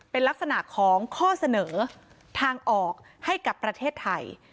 เป็นลักษณะของข้อเสนอทางออกให้กับประเทศไทย